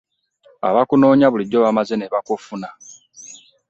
Abakunoonya bulijjo bamaze ne bakufuna?